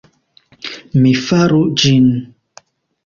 Mi faru ĝin.